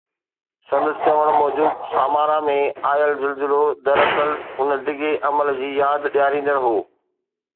سندس چوڻ موجب سامارا ۾ آيل زلزلو دراصل ان ڊگهي عمل جي ياد ڏياريندڙ هو